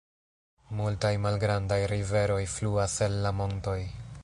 Multaj malgrandaj riveroj fluas el la montoj.